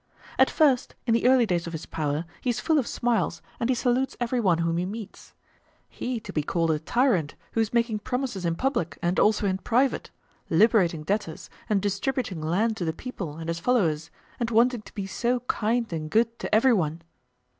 At first, in the early days of his power, he is full of smiles, and he salutes every one whom he meets;—he to be called a tyrant, who is making promises in public and also in private! liberating debtors, and distributing land to the people and his followers, and wanting to be so kind and good to every one!